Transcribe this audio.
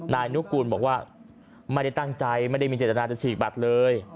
นายนุกูลบอกว่าไม่ได้ตั้งใจไม่ได้มีเจตนาจะฉีกบัตรเลย